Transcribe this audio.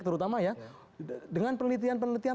terutama ya dengan penelitian penelitian